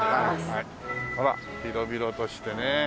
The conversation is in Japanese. ほら広々としてね。